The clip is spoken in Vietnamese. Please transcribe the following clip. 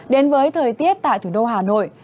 đến với thời tiết tại thủ đô hà nội